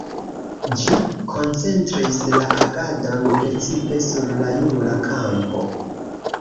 Ĝi koncentris la agadon precipe sur la jura kampo.